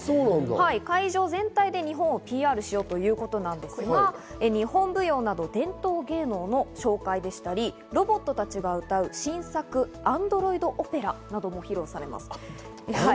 会場全体で日本をＰＲしようということなんですが、日本舞踊など伝統芸能の紹介やロボットたちが歌う新作アンドロイドオペラが披露されます。